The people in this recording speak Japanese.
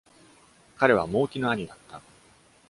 彼は蒙毅の兄だった。